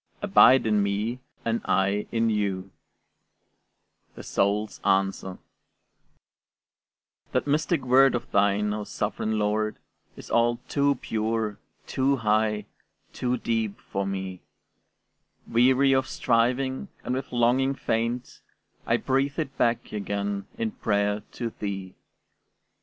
ABIDE IN ME, AND I IN YOU THE SOUL'S ANSWER That mystic word of thine, O sovereign Lord, Is all too pure, too high, too deep for me; Weary of striving, and with longing faint, I breathe it back again in prayer to thee.